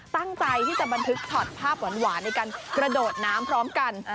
ตั้งใจที่จะบันทึกช็อตภาพหวานในการกระโดดน้ำพร้อมกัน